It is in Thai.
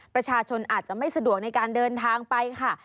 ประชาชนอาจจะไม่สะดวกในการเดินทางไปค่ะ